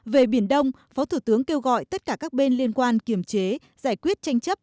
về biển đông phó thủ tướng kêu gọi tất cả các bên liên quan kiểm chế giải quyết tranh chấp